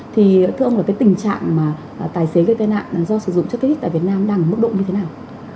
thì thưa ông là cái tình trạng mà tài xế gây tai nạn do sử dụng chất kích thích tại việt nam đang ở mức độ như thế nào